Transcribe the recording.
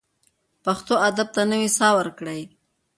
پښتو ادب ته نوې ساه ورکړئ.